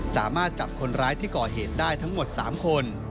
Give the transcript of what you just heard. สามารถจับคนร้ายที่ก่อเหตุได้ทั้งหมด๓คน